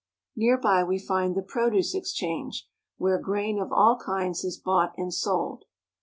Near by we find the Produce Exchange, where grain of all kinds is bought and sold.